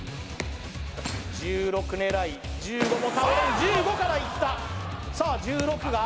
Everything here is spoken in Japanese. １６狙い１５も１５からいったさあ１６が？